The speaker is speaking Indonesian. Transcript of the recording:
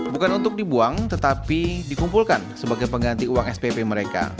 bukan untuk dibuang tetapi dikumpulkan sebagai pengganti uang spp mereka